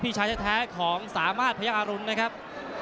พี่ชายแท้ของสามารถพระยักษ์อารุณนะครับ